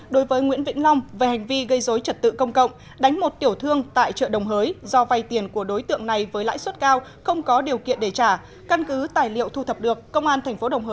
đối tượng nguyễn vĩnh long có quyết định truy nã ngày hai mươi chín tháng chín